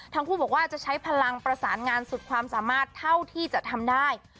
ทั้งคู่บอกว่าจะใช้พลังประสานงานสุดความสามารถเท่าที่จะทำได้